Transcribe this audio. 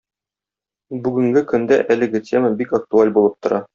Бүгенге көндә әлеге тема бик актуаль булып тора.